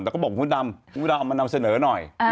แต่ก็บอกมดดำคุณดำเอามานำเสนอหน่อย